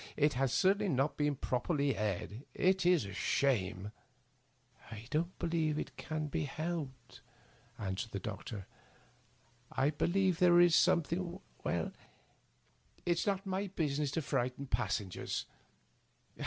" It has certainly not been properly aired. It is a shame 1 "" I don't believe it can be helped," answered the doc tor. " I believe there is something — ^well, it is not my business to frighten passengers."